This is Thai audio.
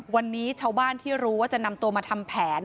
วันนี้ชาวบ้านที่รู้ว่าจะนำตัวมาทำแผน